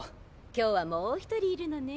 今日はもう一人いるのね。